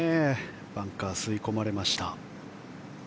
バンカーに吸い込まれました。